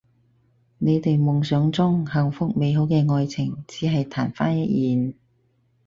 你哋夢想中幸福美好嘅愛情只係曇花一現